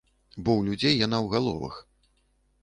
Бо ў людзей яна ў галовах.